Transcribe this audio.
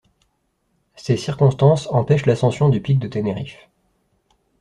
Ces circonstances empêchent l'ascension du pic de Tenerife.